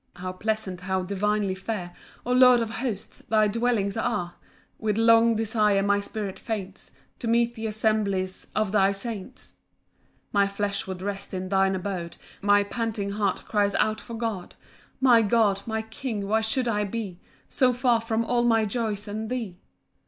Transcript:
1 How pleasant, how divinely fair, O Lord of hosts, thy dwellings are! With long desire my spirit faints To meet th' assemblies of thy saints. 2 My flesh would rest in thine abode, My panting heart cries out for God; My God! my King! why should I be So far from all my joys and thee?